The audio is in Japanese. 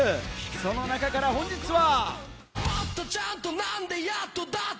その中から本日は。